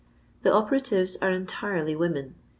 The operatives arc en tirely women.